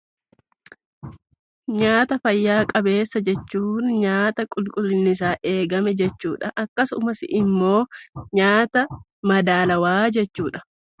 Nyaata fayyaa qabeessa jechuun nyaata qulqullinni isaa eegame jechuudha. Akkasumas immoo nyaata madaalawaa jechuudha.